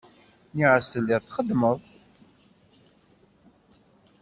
Nniɣ-as telliḍ txeddmeḍ.